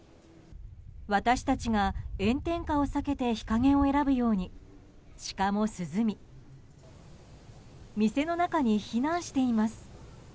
私たちが炎天下を避けて日陰を選ぶようにシカも涼み店の中に避難しています。